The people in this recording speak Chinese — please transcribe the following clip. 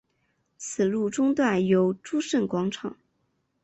此路中段有诸圣广场。